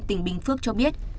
tỉnh bình phước cho biết